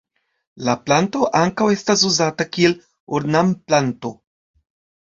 La planto ankaŭ estas uzata kiel ornamplanto.